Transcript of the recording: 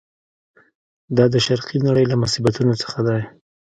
دا د شرقي نړۍ له مصیبتونو څخه دی.